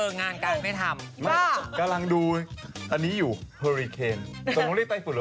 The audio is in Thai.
งานกันไม่ทำกำลังดูอันนี้อยู่โฮริเคนตรงนี้ได้ไต้ฝุ่นหรือ